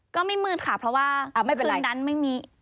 ก็ไม่มืดค่ะเพราะว่าคืนนั้นไม่มี